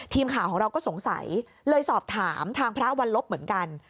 ทีมข่าวของเราก็สงสัยเลยสอบถามทางพระวันลบเหมือนกัน